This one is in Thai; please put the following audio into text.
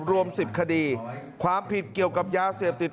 รวม๑๐คดีความผิดเกี่ยวกับยาเสพติด